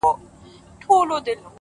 خو يو ځل بيا وسجدې ته ټيټ سو;